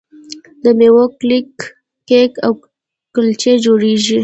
د میوو کیک او کلچې جوړیږي.